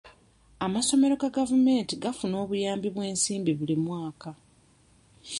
Amasomero ga gavumenti gafuna obuyambi bw'ensimbi buli mwaka.